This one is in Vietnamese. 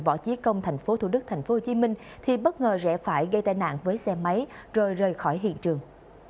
võ chí công tp thcm thì bất ngờ rẽ phải gây tai nạn với xe máy rồi rời khỏi hiện trường